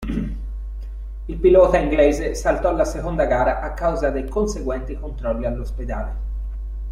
Il pilota inglese saltò la seconda gara a causa dei conseguenti controlli all'ospedale.